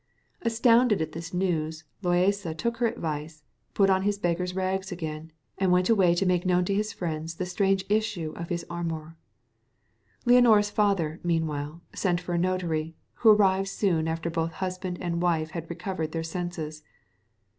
Astounded at this news, Loaysa took her advice, put on his beggar's rags again, and went away to make known to his friends the strange issue of his amour. Leonora's father, meanwhile, sent for a notary, who arrived soon after both husband and wife had recovered their senses.